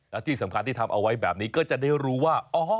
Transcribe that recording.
และที่สำคัญที่ทำเอาไว้แบบนี้ก็จะได้รู้ว่า